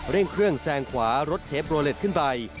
เร่งเครื่องแซงขวารถเชฟโรเล็ตขึ้นไป